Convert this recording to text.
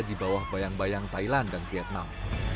di bawah bayang bayang thailand dan vietnam